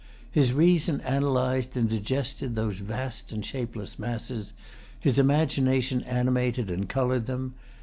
His reason analyzed and digested those vast and shapeless masses; his imagination animated and colored them.